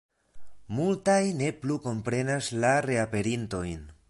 Multaj ne plu komprenas la reaperintojn.